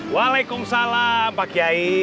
waalaikumsalam pak kiai